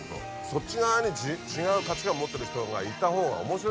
そっち側に違う価値観持ってる人がいた方が面白いわけ。